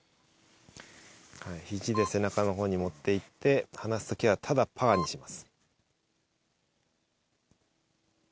ひじで背中のほうに持っていって、放すときはただパーにします。